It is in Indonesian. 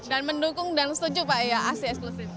dan mendukung dan setuju pak ya asi eksklusif